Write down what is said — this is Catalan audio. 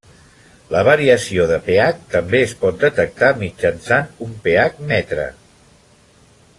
La variació de pH també es pot detectar mitjançant un pH-metre.